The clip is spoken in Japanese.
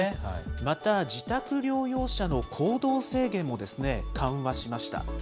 また自宅療養者の行動制限もですね、緩和しました。